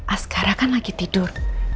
asgara kan lagi tidur